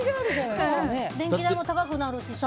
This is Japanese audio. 電気代も高くなるしさ。